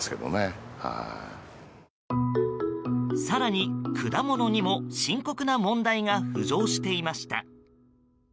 更に果物にも深刻な問題が浮上していました。